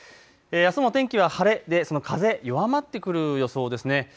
あすも天気は晴れで、その風、弱まってくる予想ですね。